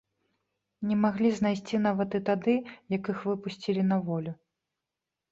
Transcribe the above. Не маглі знайсці нават і тады, як іх выпусцілі на волю.